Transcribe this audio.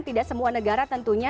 tidak semua negara tentunya